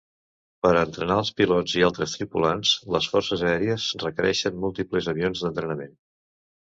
Per a entrenar els pilots i altres tripulants les forces aèries requereixen múltiples avions d'entrenament.